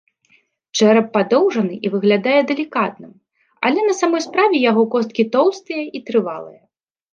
Чэрап падоўжаны і выглядае далікатным, але на самой справе яго косткі тоўстыя і трывалыя.